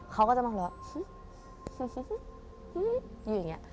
เขาก็จะมาหัวเราะฮึฮึฮึฮึฮึอยู่อย่างนี้